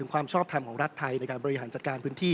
ความชอบทำของรัฐไทยในการบริหารจัดการพื้นที่